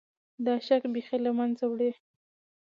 دا شک بیخي له منځه وړي.